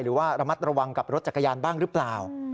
หรือว่าระมัดระวังกับรถจักรยานบ้างหรือเปล่า